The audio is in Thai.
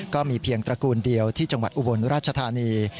ก็มีเพียงตระกูลเดียวที่จังหวัดอุบลราชธานี